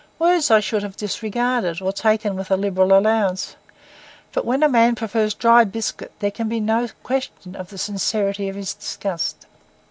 Words I should have disregarded, or taken with a liberal allowance; but when a man prefers dry biscuit there can be no question of the sincerity of his disgust.